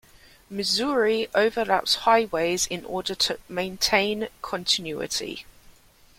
Missouri overlaps highways in order to maintain continuity.